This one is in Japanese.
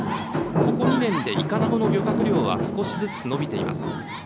ここ２年でイカナゴの漁獲量は少しずつ伸びています。